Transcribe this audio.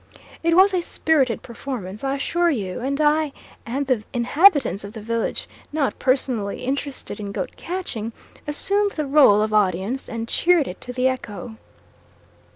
It was a spirited performance I assure you and I and the inhabitants of the village, not personally interested in goat catching, assumed the role of audience and cheered it to the echo.